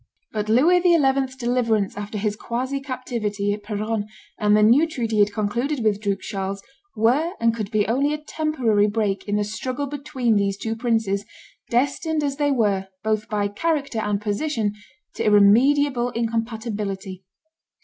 But Louis XI.'s deliverance after his quasi captivity at Peronne, and the new treaty he had concluded with Duke Charles, were and could be only a temporary break in the struggle between these two princes, destined as they were, both by character and position, to irremediable incompatibility.